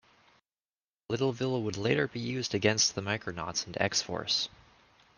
Liddleville would later be used against the Micronauts and X-Force.